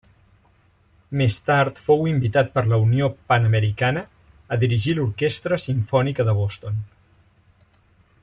Més tard fou invitat per la Unió Pan-Americana a dirigir l'Orquestra Simfònica de Boston.